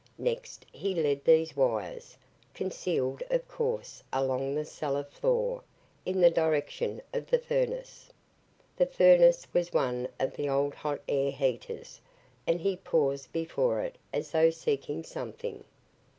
Next, he led these wires, concealed of course, along the cellar floor, in the direction of the furnace. The furnace was one of the old hot air heaters and he paused before it as though seeking something.